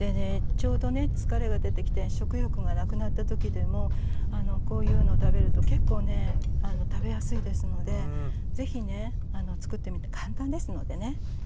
ちょうどね疲れが出てきて食欲がなくなったときでもこういうの食べると結構ね食べやすいですのでぜひねつくってみて簡単ですのでね。